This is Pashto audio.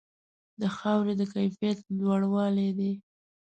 د خاورې د کیفیت لوړوالې دی.